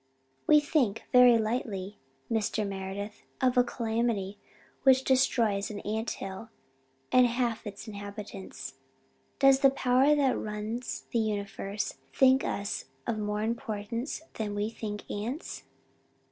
We think very lightly, Mr. Meredith, of a calamity which destroys an ant hill and half its inhabitants. Does the Power that runs the universe think us of more importance than we think ants?"